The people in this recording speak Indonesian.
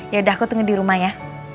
yaudah aku tinggal di rumah ya